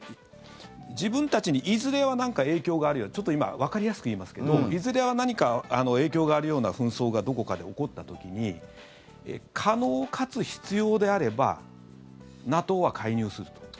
自分たちにいずれは何か影響があるちょっと今わかりやすく言いますけどいずれは何か影響があるような紛争がどこかで起こった時に可能かつ必要であればＮＡＴＯは介入すると。